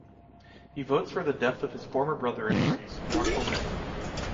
He votes for the death of his former brother-in-arms, Marshal Ney.